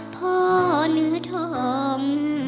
พ่อเนื้อทอง